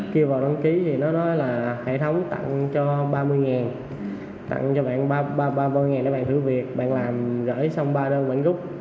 kêu vào đăng ký thì nó nói là hệ thống tặng cho ba mươi tặng cho bạn ba mươi để bạn thử việc bạn làm gửi xong ba đơn bạn gúc